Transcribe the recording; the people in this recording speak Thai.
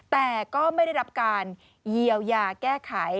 แต่ก็ไม่ได้รับการเยียวยาแก้ไข